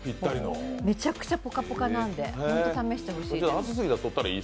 めちゃくちゃポカポカなので試していただきたい。